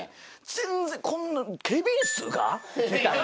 全然こんなケビンスが？みたいな。